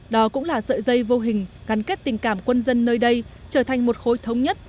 đó cũng là sợi dây vô hình gắn kết tình cảm quân dân nơi đây trở thành một khối thống nhất